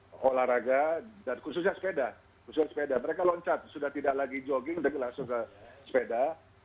berolahraga dan khususnya sepeda khususnya sepeda mereka loncat sudah tidak lagi jogging tapi langsung ke sepeda